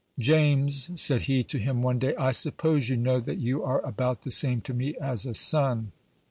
"James," said he to him one day, "I suppose you know that you are about the same to me as a son."